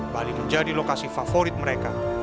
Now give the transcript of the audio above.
bali menjadi lokasi favorit mereka